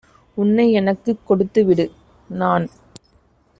"உன்னை எனக்குக் கொடுத்துவிடு! - நான்